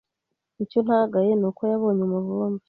Icyo ntagaye ni uko yabonye umuvumbi